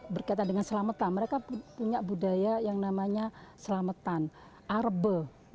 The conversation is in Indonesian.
berkaitan dengan selamatan mereka punya budaya yang namanya selamatan arbel